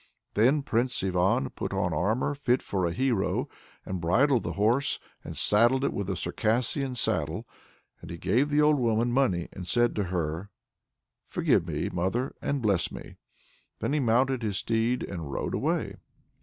Then Prince Ivan put on armor fit for a hero, and bridled the horse, and saddled it with a Circassian saddle. And he gave the old woman money, and said to her: "Forgive me, mother, and bless me!" then he mounted his steed and rode away.